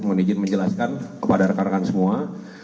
meminijin menjelaskan kepada rekan rekan semua